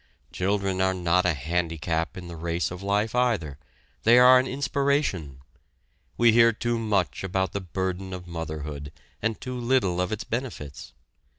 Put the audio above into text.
Children are not a handicap in the race of life either, they are an inspiration. We hear too much about the burden of motherhood and too little of its benefits.